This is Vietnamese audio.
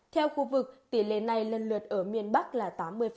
theo khu vực tỷ lệ này lần lượt ở miền bắc là tám mươi